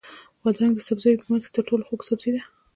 بادرنګ د سبزیو په منځ کې تر ټولو خوږ سبزی ده.